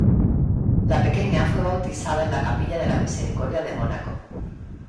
La pequeña fue bautizada en la Capilla de la misericordia de Mónaco.